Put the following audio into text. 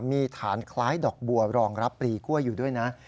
มีฐานคล้ายดอกบัวรองรับปลีกล้วยอยู่ด้วยนะ